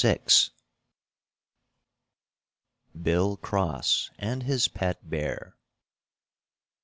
VIII. BILL CROSS AND HIS PET BEAR.